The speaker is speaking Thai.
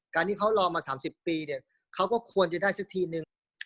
การที่เขารอมา๓๐ปีเนี่ยเขาก็ควรจะได้สักทีนึง